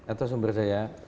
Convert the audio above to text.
atau sumber daya